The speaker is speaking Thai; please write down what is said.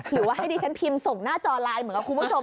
หรือว่าให้ดิฉันพิมพ์ส่งหน้าจอไลน์เหมือนกับคุณผู้ชม